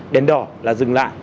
đèn đỏ là dừng lại